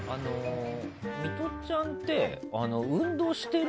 ミトちゃんって運動してる？